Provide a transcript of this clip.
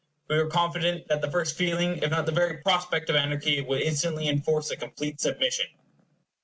We were confident that the first feeling if not the very prospect, of anarchy would instantly enforce a complete submission.